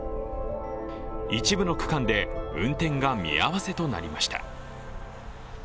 一部の区間で運転が見合わせとなりました。